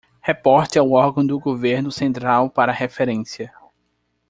Reporte ao órgão do governo central para referência